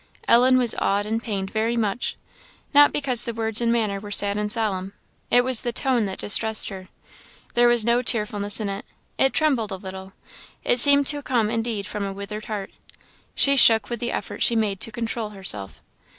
Ellen was awed and pained very much. Not because the words and manner were sad and solemn; it was the tone that distressed her. There was no tearfulness in it; it trembled a little; it seemed to come indeed from a withered heart. She shook with the effort she made to control herself.